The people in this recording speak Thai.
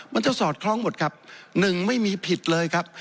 สอดคล้องหมดครับหนึ่งไม่มีผิดเลยครับ